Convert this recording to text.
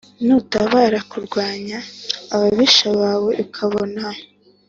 Nutabara kurwanya ababisha bawe ukabona